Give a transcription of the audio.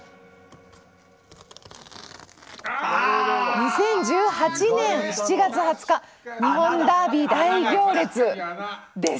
２０１８年７月２０日「日本ダービー大行列」です。